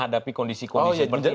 menghadapi kondisi kondisi berbeda ini